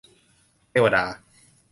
เทวดา